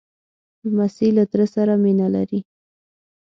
لمسی له تره سره مینه لري.